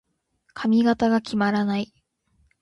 髪型が決まらない。